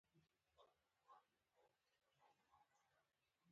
استاد د ټولنې هیلې باسي.